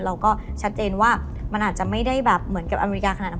เราก็ชัดเจนว่ามันอาจจะไม่ได้แบบเหมือนกับอเมริกาขนาดนั้น